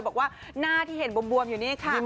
บอกว่าหน้าที่เห็นบวมอยู่นี่ค่ะ